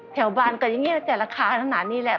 แถวบ้านก็อย่างนี้แต่ราคาขนาดนี้แหละ